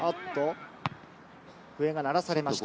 笛が鳴らされました。